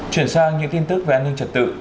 chuyển sang những tin tức về an ninh trật tự